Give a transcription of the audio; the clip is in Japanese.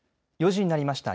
４時になりました。